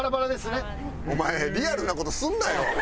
お前リアルな事するなよ！